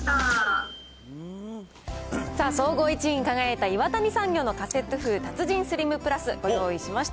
さあ、総合１位に輝いた、岩谷産業のカセットフー達人スリムプラス、ご用意しました。